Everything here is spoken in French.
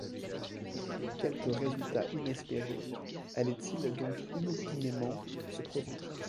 Quelque résultat inespéré allait-il donc inopinément se produire ?